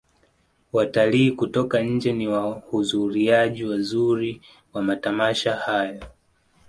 watalii kutoka nje ni wahuzuriaji wazuri wa matamasha hayo